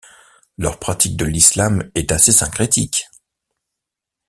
Leur pratique de l'islam est assez syncrétique.